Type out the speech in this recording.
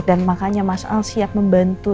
dan makanya mas al siap membantu